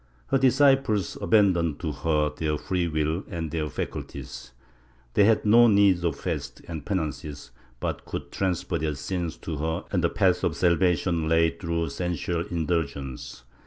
Her disciples abandoned to her their free will and all their faculties; they had no need of fasts and penances but could transfer their sins to her and the path of sal vation lay through sensual indulgence.